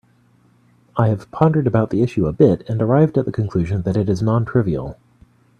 I have pondered about the issue a bit and arrived at the conclusion that it is non-trivial.